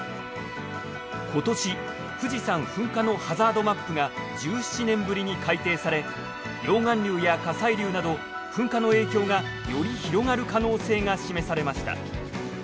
今年富士山噴火のハザードマップが１７年ぶりに改定され溶岩流や火砕流など噴火の影響がより広がる可能性が示されました。